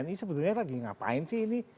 ini sebetulnya lagi ngapain sih ini